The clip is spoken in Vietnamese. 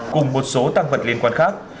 cùng một số tăng vật liên quan khác